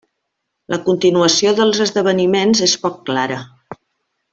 La continuació dels esdeveniments és poc clara.